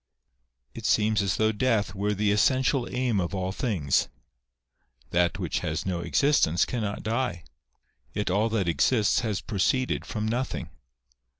" It seems as though death were the essential aim of all things. That which has no existence cannot die ; yet all that exists has proceeded from nothing.